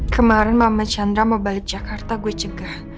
kemarin mama chandra mau balik jakarta gue cegah